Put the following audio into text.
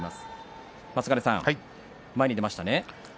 松ヶ根さん、前に出ましたね。